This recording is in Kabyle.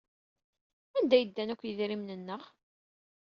Anda ay ddan akk yedrimen-nneɣ?